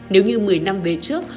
nếu như một mươi năm về trước